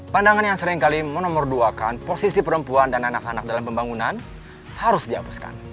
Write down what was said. pandangan yang seringkali menomorduakan posisi perempuan dan anak anak dalam pembangunan harus dihapuskan